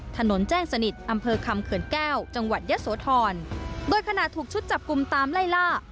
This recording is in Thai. ถนนแจ้งสนิทอำเภอคำเขินแก้วจังหวัดยะโสธรโดยขณะถูกชุดจับกลุ่มตามไล่ล่า